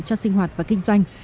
cho sinh hoạt và kinh doanh